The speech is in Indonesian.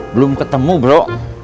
belum ketemu bro